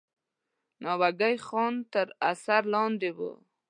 ناوګی خان تر اثر لاندې وو.